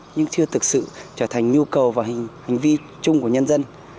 nhưng chưa thực sự trở thành nhu cầu và hành vi chung của nhân dân